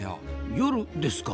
夜ですか？